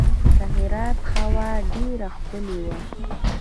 د هرات هوا ډیره ښکلې وه.